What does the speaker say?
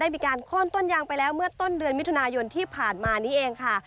มิถุนายนที่ผ่านมานี้เองค่ะ